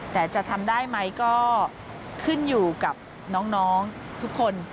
แต่จะทำได้ไหมก็ขึ้นอยู่กับน้องทุกคน